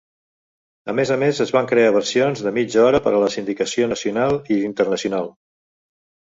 A més a més, es van crear versions de mitja hora per a la sindicació nacional i internacional.